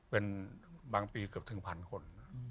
เป็นบางปีเกือบถึงพันคน